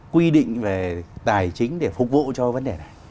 quy định về tài chính để phục vụ cho vấn đề này